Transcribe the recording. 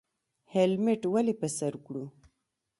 هیلمټ ولې په سر کړو؟